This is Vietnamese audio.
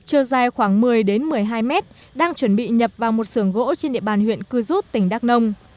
chiều dài khoảng một mươi một mươi hai mét đang chuẩn bị nhập vào một sưởng gỗ trên địa bàn huyện cư rút tỉnh đắk nông